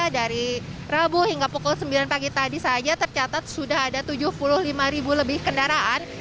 dari rabu hingga pukul sembilan pagi tadi saja tercatat sudah ada tujuh puluh lima ribu lebih kendaraan